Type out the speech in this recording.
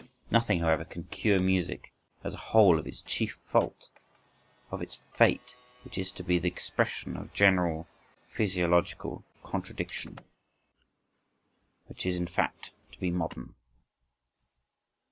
Nothing, however, can cure music as a whole of its chief fault, of its fate, which is to be the expression of general physiological contradiction,—which is, in fact, to be modern.